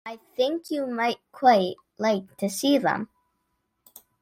I think you might quite like to see them.